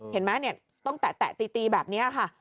เห็นไหมต้องแตะตีแบบนี้ค่ะ